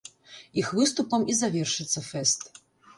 Іх выступам і завершыцца фэст.